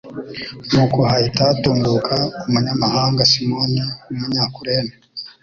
Nuko hahita hatunguka umunyamahanga, Simoni w'umunyakurene,